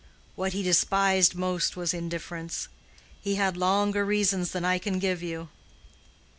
What he despised most was indifference. He had longer reasons than I can give you."